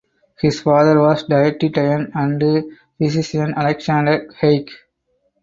His father was dietitian and physician Alexander Haig.